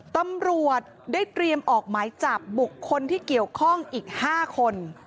ตำรวจได้เตรียมออกหมายจับบุคคลที่เกี่ยวข้องอีก๕คน